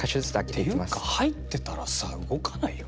ていうか入ってたらさ動かないよ